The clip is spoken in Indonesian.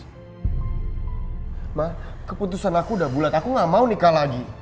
mah keputusan aku udah bulat aku gak mau nikah lagi